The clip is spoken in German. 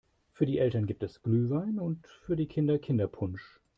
Für die Eltern gibt es Glühwein und für die Kinder Kinderpunsch.